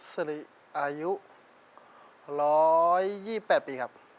สิริอายุ๑๒๘ปีครับ